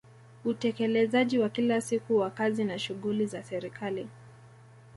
Utekelezaji wa kila siku wa kazi na shughuli za Serikali